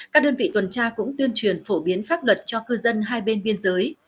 các đơn vị tuần tra cũng tuyên truyền phổ biến pháp luật cho cư dân hai bên biên giới